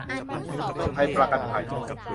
เมืองไทยประกันภัย